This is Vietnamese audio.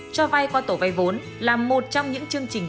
cho vay qua tổ vay vốn là một trong những chương trình